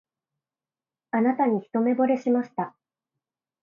あなたに一目ぼれしました